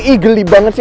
ih geli banget sih